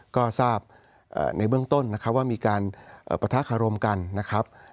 ก็ทราบในเบื้องต้นนะครับว่ามีการปะทะคารมกันนะครับ